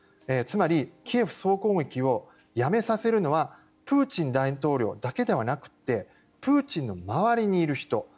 つまり、キエフ総攻撃をやめさせるのはプーチン大統領だけではなくてプーチンの周りにいる人